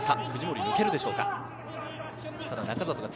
藤森、抜けるでしょうか。